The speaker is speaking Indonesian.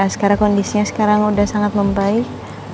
sekarang kondisinya sekarang sudah sangat membaik